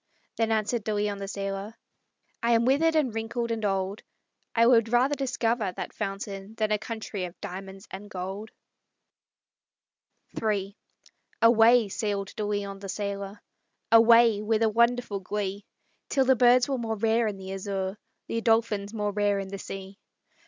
Then answered De Leon, the sailor: "I am withered, and wrinkled, and old; I would rather discover that fountain Than a country of diamonds and gold." III Away sailed De Leon, the sailor; Away with a wonderful glee, Till the birds were more rare in the azure, The dolphins more rare in the sea.